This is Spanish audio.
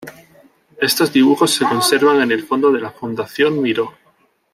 Estos dibujos se conservan en el fondo de la Fundación Miró.